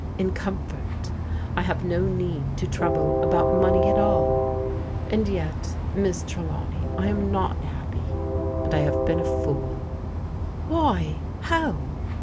c oxifcrL I have no need to trouble about csccey ar all ; and jet^ Miss Tidawney, I am not happy, azd I have been a f oc4.* WliT? How?